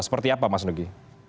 seperti apa mas nugi